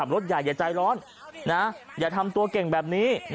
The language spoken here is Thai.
รถใหญ่อย่าใจร้อนอย่าทำตัวเก่งแบบนี้